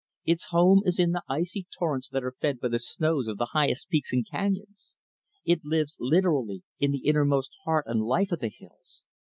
Its home is in the icy torrents that are fed by the snows of the highest peaks and canyons. It lives, literally, in the innermost heart and life of the hills.